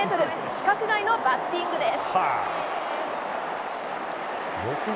規格外のバッティングです。